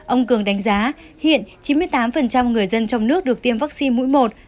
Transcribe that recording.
ông cường đánh giá hiện chín mươi tám người dân trong nước được tiêm vaccine mũi một